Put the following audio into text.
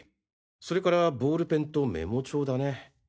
それからボールペンとメモ帳だね。